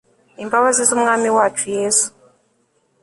imbabazi zumwami wacu yesu